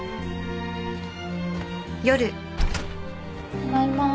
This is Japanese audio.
ただいま。